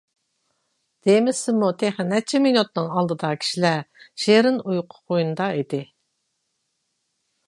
دېمىسىمۇ، تېخى نەچچە مىنۇتنىڭ ئالدىدا كىشىلەر شېرىن ئۇيقۇ قوينىدا ئىدى.